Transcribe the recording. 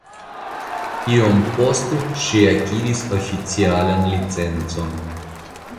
Iom poste ŝi akiris oficialan licencon.